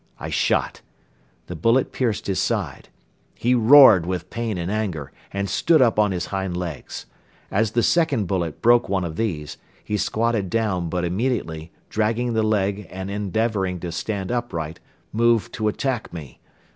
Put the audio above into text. I shot. The bullet pierced his side. He roared with pain and anger and stood up on his hind legs. As the second bullet broke one of these, he squatted down but immediately, dragging the leg and endeavoring to stand upright, moved to attack me.